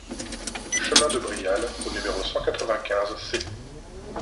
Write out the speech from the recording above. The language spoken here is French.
Chemin de Brial au numéro cent quatre-vingt-quinze C